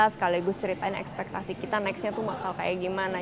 sekaligus ceritain ekspektasi kita nextnya tuh bakal kayak gimana